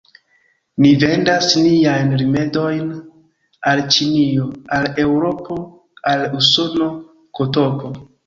Ni vendas niajn rimedojn al Ĉinio, al Eŭropo, al Usono, ktp.